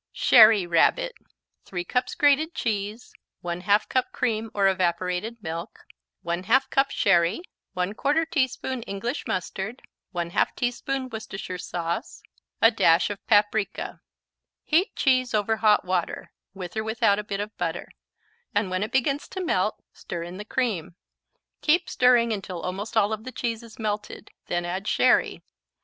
Sherry Rabbit 3 cups grated cheese 1/2 cup cream or evaporated milk 1/2 cup sherry 1/4 teaspoon English mustard 1/2 teaspoon Worcestershire sauce A dash of paprika Heat cheese over hot water, with or without a bit of butter, and when it begins to melt, stir in the cream. Keep stirring until almost all of the cheese is melted, then add sherry.